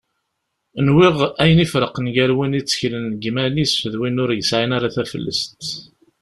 Nwiɣ ayen i iferqen gar win itteklen deg yiman-is d win ur yesɛin ara taflest.